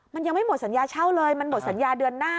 มันยังไม่หมดสัญญาเช่าเลยมันหมดสัญญาเดือนหน้า